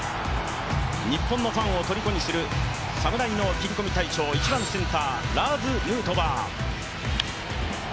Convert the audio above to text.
日本のファンをとりこにする侍の切り込み隊長、１番センター・ラーズ・ヌートバー。